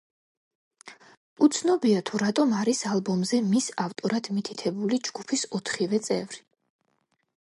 უცნობია, თუ რატომ არის ალბომზე მის ავტორად მითითებული ჯგუფის ოთხივე წევრი.